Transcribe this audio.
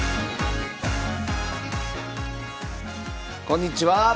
こんにちは。